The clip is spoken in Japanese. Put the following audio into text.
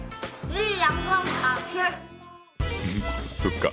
そっか。